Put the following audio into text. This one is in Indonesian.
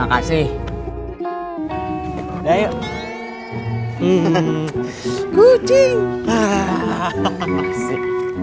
apakah tidak menelefon panek ini